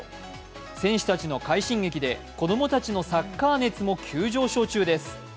選手たちの快進撃で子供たちのサッカー熱も急上昇中です。